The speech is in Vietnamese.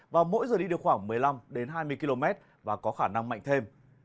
và mỗi giờ đi được khoảng một mươi năm hai mươi km và có khả năng mạnh thêm